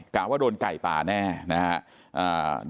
กล่าวว่าโดนไก่ป่าแน่นะฮะ